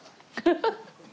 ハハハハ！